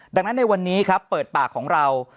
ดังนั้นในวันนี้ครับเปิดปากของเรา